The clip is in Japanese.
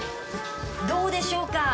どうでしょうか？